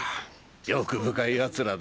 欲深いやつらだ。